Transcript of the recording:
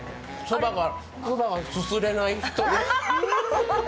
そばが、すすれない人。